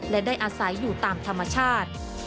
และได้อาศัยอยู่ตามธรรมชาติ